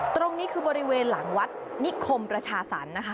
ตรงนี้คือบริเวณหลังวัดนิคมประชาสรรค์นะคะ